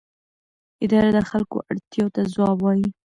اداره د خلکو اړتیاوو ته ځواب وايي.